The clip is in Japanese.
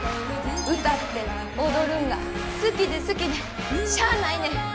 歌って踊るんが好きで好きでしゃあないねん。